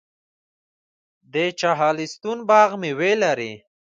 د چهلستون باغ میوې لري.